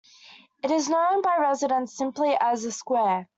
It is known by residents simply as "the Square".